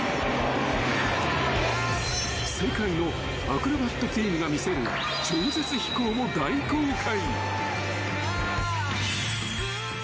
［世界のアクロバットチームが魅せる超絶飛行も大公開］